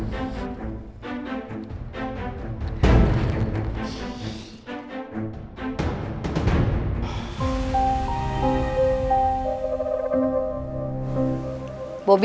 saat inginkannya murah